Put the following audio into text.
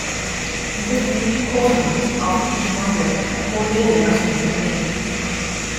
He was named Coleman after his mother Cordelia's maiden name.